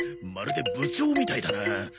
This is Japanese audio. まるで部長みたいだな。